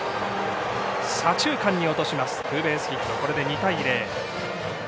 左中間に落としますツーベースヒット、これで２対０。